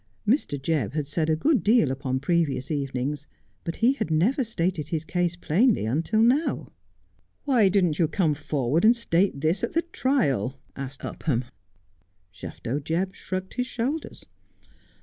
Mr. Jebb had said a good deal upon previous evenings, but he had never stated his case plainly until now. ' Why didn't you come forward and state this at the trial ?' asked Upham. Shafto Jebb shrugged his shoulders.